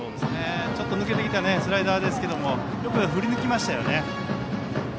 ちょっと抜けてきたスライダーですけどよく振り抜きましたよね。